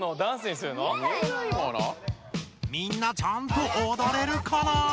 みんなちゃんとおどれるかな？